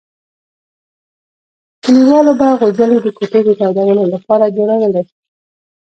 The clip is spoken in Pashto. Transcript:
کلیوالو به غوجلې د کوټې د تودولو لپاره جوړولې.